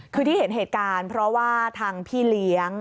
คือที่เห็นเหตุการณ์เพราะว่าทางพี่เลี้ยง